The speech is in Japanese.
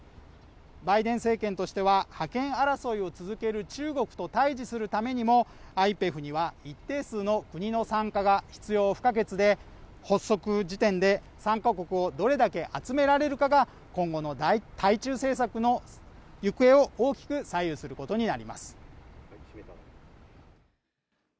バイデン政権としては覇権争いを続ける中国と対峙するためにもＩＰＥＦには一定数の国の参加が必要不可欠で発足時点で参加国をどれだけ集められるかが今後の対中政策の行方を大きく左右することになります